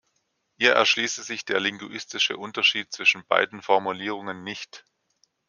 Ihr erschließe sich der linguistische Unterschied zwischen beiden Formulierungen nicht.